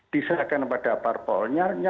diserahkan kepada parpolnya